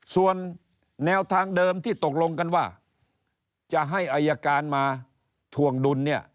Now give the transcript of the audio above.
ส่วนแนวทางเดิมที่ตกลงกันว่าจะให้อายการมาถวงดุลเนี่ย